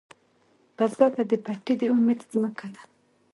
بزګر ته پټی د امید ځمکه ده